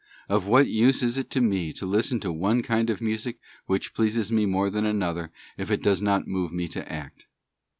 Of what use is it to me to listen to one kind of music which pleases me more than another, if it does not move me to act?